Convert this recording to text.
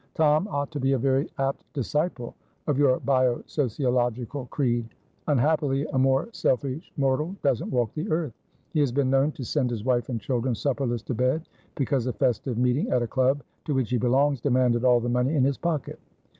Tom ought to be a very apt disciple of your bio sociological creed. Unhappily a more selfish mortal doesn't walk the earth. He has been known to send his wife and children supperless to bed, because a festive meeting at a club to which he belongs demanded all the money in his pocket.